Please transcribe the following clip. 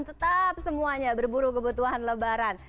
tetap semuanya berburu kebutuhan lebaran